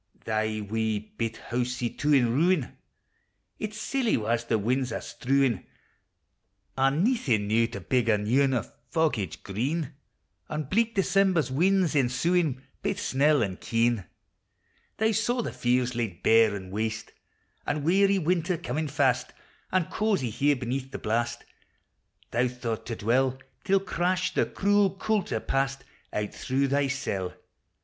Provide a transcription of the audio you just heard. Thy wee bit housie, too, in ruin! Its silly wa's the win's are strewin'! An' naething now to big a new ane O' foggage green ! An' bleak December's winds ensuin', Baith snell and keen ! Thou saw the fields laid bare an' waste, An' weary winter comin' fast, An' cozie here, beneath the blast, Thou thought to dwell, Till, crash ! the cruel coulter past Out through thy cell.